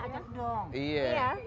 aja dong iya